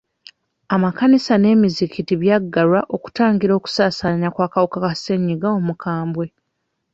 Amakkanisa n'emizikiti byaggalwa okutangira okusaasaanya kw'akawuka ka ssenyiga omukambwe.